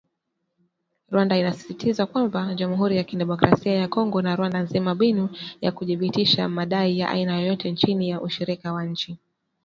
Rwanda inasisitiza kwamba Jamhuri ya Kidemokrasia ya Kongo na Rwanda zina mbinu za kuthibitisha madai ya aina yoyote chini ya ushirika wa nchi